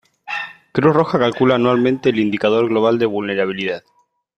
Cruz Roja calcula anualmente el Indicador Global de Vulnerabilidad.